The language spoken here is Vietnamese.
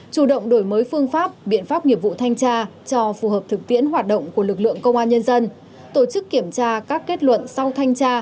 chủ động đổi mới phương pháp biện pháp nghiệp vụ thanh tra cho phù hợp thực tiễn hoạt động của lực lượng công an nhân dân